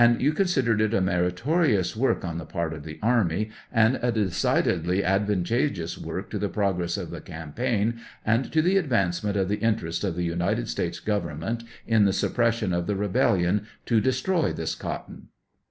you considered it a meritorious work on the part of the army, and a decidedly advantageous work to the progress of the campaign, and to the advance ment of the interests of the United States Government in the suppression of the rebellion to destroy this cot ton?